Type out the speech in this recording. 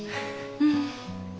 うん。